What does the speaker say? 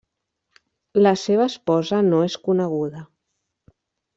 La seva esposa no és coneguda.